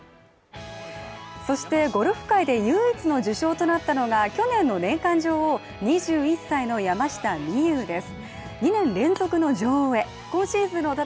そしてゴルフ界で唯一の受賞となったのが去年の年間女王、２１歳の山下美夢有です。